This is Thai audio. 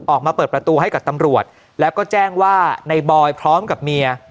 ออกมาเปิดประตูให้กับตำรวจแล้วก็แจ้งว่าในบอยพร้อมกับเมีย